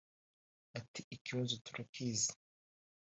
Ati “Ikibazo turakizi